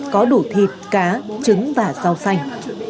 có đủ thịt cá trứng và rau xanh